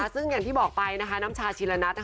ซึ่งอย่างที่บอกไปนะคะน้ำชาชีละนัท